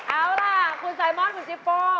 เอาล่ะคุณไซมอนคุณจิโป้